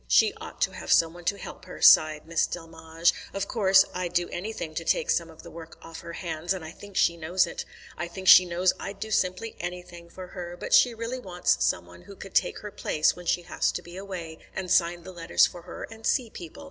"She ought to have some one to help her," sighed Miss Delmege. "Of course, I'd do anything to take some of the work off her hands, and I think she knows it. I think she knows I'd do simply anything for her; but she really wants some one who could take her place when she has to be away, and sign the letters for her, and see people.